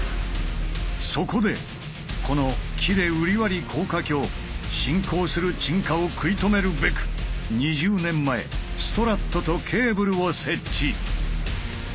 そこでこの喜連瓜破高架橋進行する沈下を食い止めるべく２０年前ストラットとケーブルを設置。